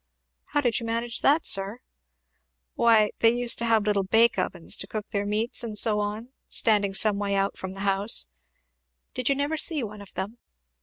"How did you manage that, sir?" "Why, they used to have little bake ovens to cook their meats and so on, standing some way out from the house, did you never gee one of them?